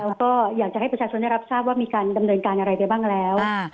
แล้วก็อยากจะให้ประชาชนได้รับทราบว่ามีการดำเนินการอะไรไปบ้างแล้ว